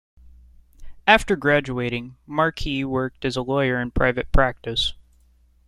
After graduating, Markey worked as a lawyer in private practice.